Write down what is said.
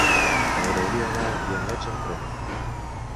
M'agradaria anar als Guiamets amb tren.